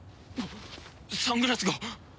サングラスが！